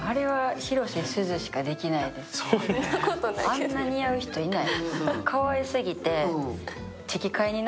あんな似合う人いない。